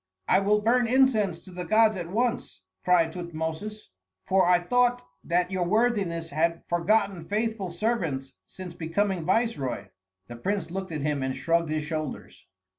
"I will burn incense to the gods at once," cried Tutmosis, "for I thought that your worthiness had forgotten faithful servants since becoming viceroy." The prince looked at him and shrugged his shoulders.